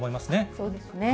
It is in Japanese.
そうですね。